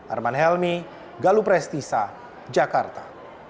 arman helmy galu prestisa jakarta